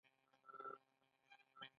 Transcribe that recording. ایا زه باید لاسونه تر سر لاندې کړم؟